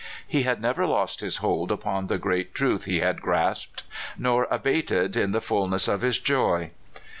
He had never lost his hold upon the great truth he had grasped, nor abated in the fullness of his joy.